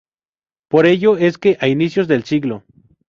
Por ello es que a inicios del siglo.